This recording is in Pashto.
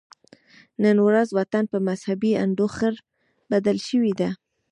نن ورځ وطن په مذهبي انډوخر بدل شوی دی